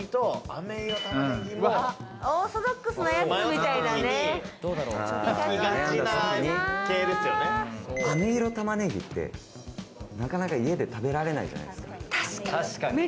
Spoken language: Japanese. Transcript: あめいろたまねぎって、なかなか家で食べられないじゃないですか。